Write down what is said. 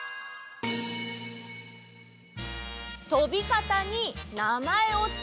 「とびかたになまえをつけよう」？